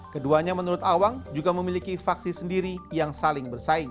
keduanya menurut awang juga memiliki faksi sendiri yang saling bersaing